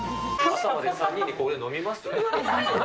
朝まで３人でここで飲みます？